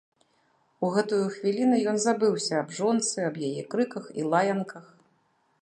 У гэтую хвіліну ён забыўся аб жонцы, аб яе крыках і лаянках.